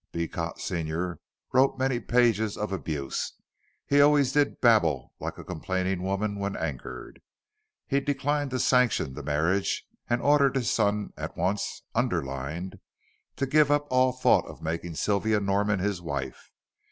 Beecot senior wrote many pages of abuse he always did babble like a complaining woman when angered. He declined to sanction the marriage and ordered his son at once underlined to give up all thought of making Sylvia Norman his wife.